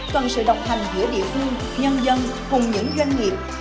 cần sự đồng hành giữa địa phương nhân dân cùng những doanh nghiệp